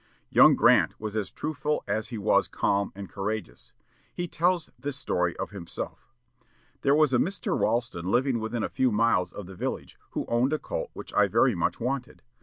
Young Grant was as truthful as he was calm and courageous. He tells this story of himself. "There was a Mr. Ralston living within a few miles of the village, who owned a colt which I very much wanted.